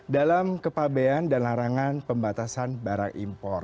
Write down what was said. dalam kepabean dan larangan pembatasan barang impor